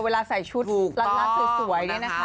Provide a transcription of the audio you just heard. เวลาใส่ชุดร้านสวยเนี่ยนะคะ